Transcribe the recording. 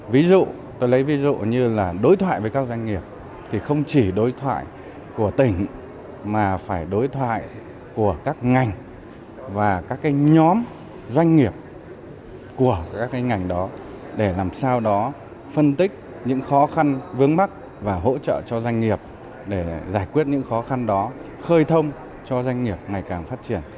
ví dụ tôi lấy ví dụ như là đối thoại với các doanh nghiệp thì không chỉ đối thoại của tỉnh mà phải đối thoại của các ngành và các nhóm doanh nghiệp của các ngành đó để làm sao đó phân tích những khó khăn vướng mắt và hỗ trợ cho doanh nghiệp để giải quyết những khó khăn đó khơi thông cho doanh nghiệp ngày càng phát triển